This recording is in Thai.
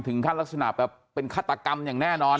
ขั้นลักษณะแบบเป็นฆาตกรรมอย่างแน่นอน